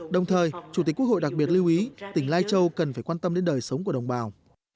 đồng thời chủ tịch quốc hội đặc biệt lưu ý tỉnh lai châu cần phải quan tâm đến đời sống của đồng bào